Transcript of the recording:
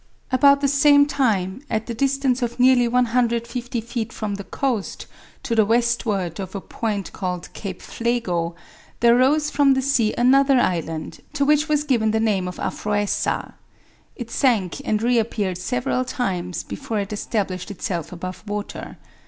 About the same time, at the distance of nearly 150 feet from the coast, to the westward of a point called Cape Phlego, there rose from the sea another island, to which was given the name of Aphroessa. It sank and reappeared several times before it established itself above water.